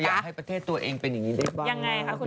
อยากให้ประเทศตัวเองเป็นอย่างนี้ได้บ้างนะครับ